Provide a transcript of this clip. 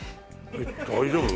大丈夫？